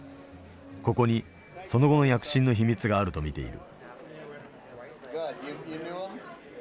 ここにその後の躍進の秘密があると見ている。